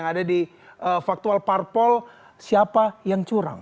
jadi faktual parpol siapa yang curang